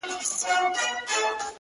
پاچا لگیا دی وه زاړه کابل ته رنگ ورکوي;